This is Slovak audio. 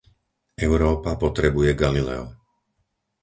Európa potrebuje Galileo.